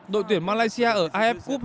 đội tuyển malaysia ở iwf cup